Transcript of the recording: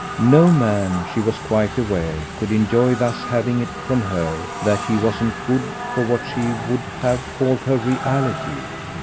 No man, she was quite aware, could enjoy thus having it from her that he wasn't good for what she would have called her reality.